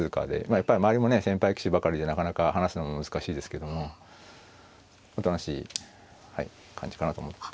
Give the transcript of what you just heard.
やっぱり周りもね先輩棋士ばかりでなかなか話すのも難しいですけどもおとなしい感じかなと思って。